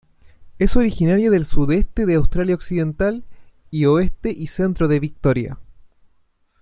Es originaria del sudeste de Australia Occidental y oeste y centro de Victoria.